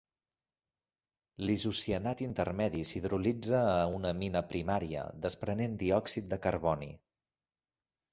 L'isocianat intermedi s'hidrolitza a una amina primària, desprenent diòxid de carboni.